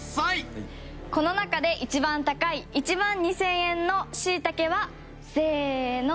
この中で一番高い１万２０００円のシイタケはせーの。